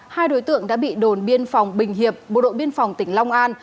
hai đối tượng đã bị đồn biên phòng bình hiệp bộ đội biên phòng tỉnh long an